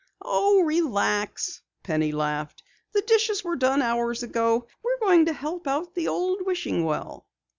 "Oh, relax," Penny laughed. "The dishes were done hours ago. We're going to help out the Old Wishing Well."